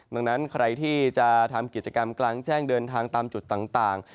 ดังนั้นใครที่จะทำกิจกรรมกลางแจ้งเดินทางตามจุดต่าง